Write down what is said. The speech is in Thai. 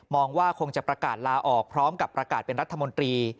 ว่าคงจะประกาศลาออกพร้อมกับประกาศเป็นรัฐมนตรี